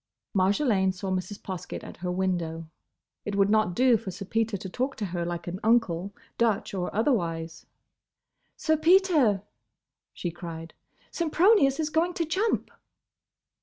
Marjolaine saw Mrs. Poskett at her window. It would not do for Sir Peter to talk to her like an uncle—Dutch or otherwise. "Sir Peter!" she cried, "Sempronius is going to jump!"